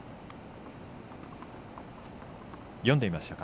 読んでいましたか？